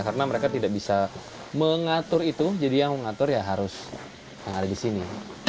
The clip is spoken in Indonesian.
karena mereka tidak bisa mengatur itu jadi yang mengatur ya harus yang ada di sini